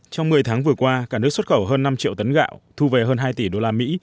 trong một mươi tháng vừa qua cả nước xuất khẩu hơn năm triệu tấn gạo thu về hơn hai tỷ usd